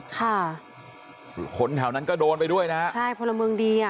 ค่ะคือคนแถวนั้นก็โดนไปด้วยนะฮะใช่พลเมืองดีอ่ะ